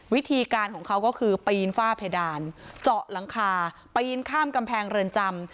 วิธีการของเขาก็คือปีนฝ้าเพดานเจาะหลังคาปีนข้ามกำแพงเรือนจำ